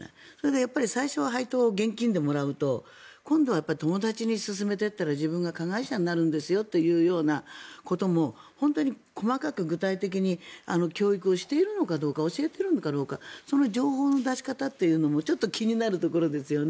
最初は配当、現金でもらうと今度は友達に勧めていったら自分が加害者になるんですよということも本当に細かく具体的に教育しているのかどうか教えているのかどうかその情報の出し方というのもちょっと気になるところですね。